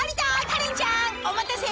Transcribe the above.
カレンちゃんお待たせ！